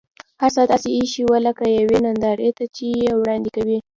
هر څه داسې اېښي و لکه یوې نندارې ته یې چې وړاندې کوي.